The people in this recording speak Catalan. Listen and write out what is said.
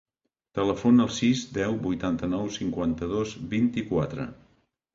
Telefona al sis, deu, vuitanta-nou, cinquanta-dos, vint-i-quatre.